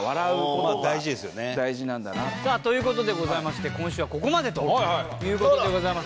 さあという事でございまして今週はここまでという事でございます。